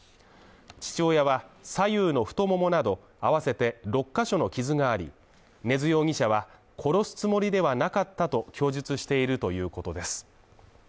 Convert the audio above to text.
父親は左右の太ももなど合わせて６ヶ所の傷があり、根津容疑者は殺すつもりではなかったと供述しているということです。